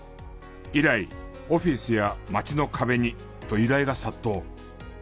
以来オフィスや街の壁にと依頼が殺到。